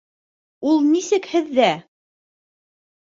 Ул нисек һеҙҙә?